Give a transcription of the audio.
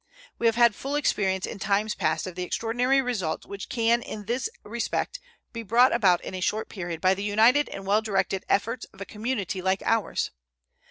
We have had full experience in times past of the extraordinary results which can in this respect be brought about in a short period by the united and well directed efforts of a community like ours.